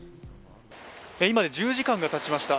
今１０時間がたちました。